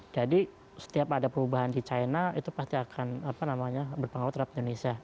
jadi setiap ada perubahan di china itu pasti akan berpengaruh terhadap indonesia